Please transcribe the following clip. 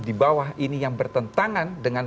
di bawah ini yang bertentangan dengan